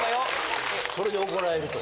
それで怒られるとは。